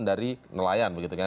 dari nelayan begitu kan